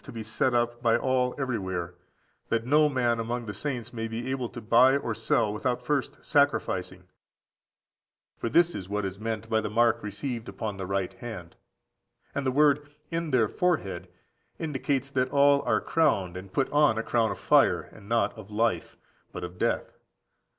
to be set up by all everywhere, that no man among the saints may be able to buy or sell without first sacrificing; for this is what is meant by the mark received upon the right hand. And the word—"in their forehead"—indicates that all are crowned, and put on a crown of fire, and not of life, but of death.